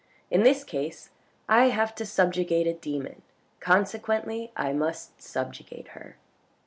In this case I have to subjugate a demon, consequently I must subjugate her."